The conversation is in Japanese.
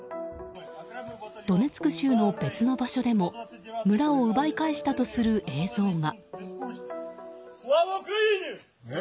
ドネツク州の別の場所でも村を奪い返したとする映像が。